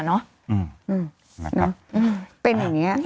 อืมนั่นค่ะอืมเป็นอย่างนี้